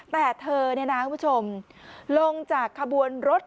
แต่เธอเนี่ยนะคุณผู้ชมลงจากขบวนรถ